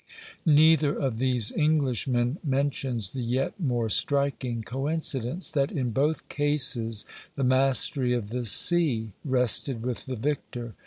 Neither of these Englishmen mentions the yet more striking coincidence, that in both cases the mastery of the sea rested with the victor.